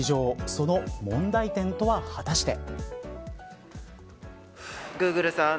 その問題点とは果たして。